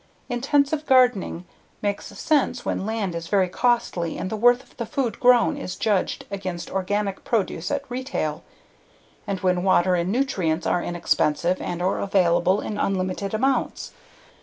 Intensive gardening makes sense when land is very costly and the worth of the food grown is judged against organic produce at retail and when water and nutrients are inexpensive and/or available in unlimited amounts.